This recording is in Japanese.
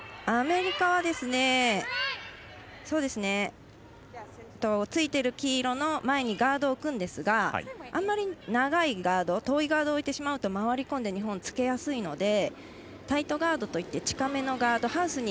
アメリカはついている黄色の前にガードを置くんですがあんまり長いガード遠いガードを置いてしまうと回り込んで日本、つけやすいのでタイトガードといって近めのガード